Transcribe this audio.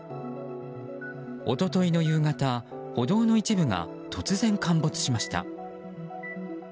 一昨日の夕方、歩道の一部が突然陥没しました。